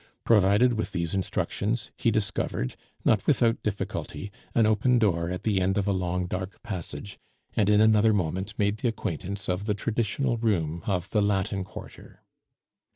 Provided with these instructions, he discovered, not without difficulty, an open door at the end of a long, dark passage, and in another moment made the acquaintance of the traditional room of the Latin Quarter.